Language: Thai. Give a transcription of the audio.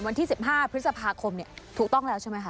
วันที่๑๕พฤษภาคมถูกต้องแล้วใช่ไหมคะ